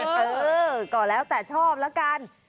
เออก็แล้วแต่ชอบแล้วกัน